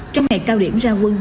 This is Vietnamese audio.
trong ngày cao điểm ra quân